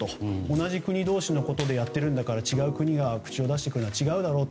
同じ国のこと同士でやっているんだから違う国が口を出してくるのは違うだろうと。